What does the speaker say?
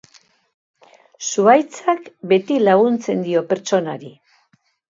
Zuhaitzak beti laguntzen dio gizonari.